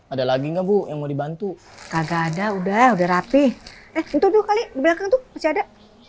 ada lagi nggak bu yang mau dibantu kagak ada udah udah rapih eh itu dua kali di belakang tuh masih ada